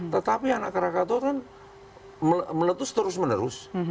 tetapi anak krakatau kan meletus terus menerus